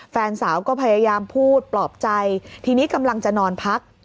แฟนสาวก็พยายามพูดปลอบใจทีนี้กำลังจะนอนพัก